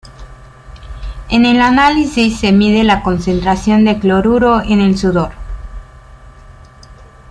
En el análisis se mide la concentración de cloruro en el sudor.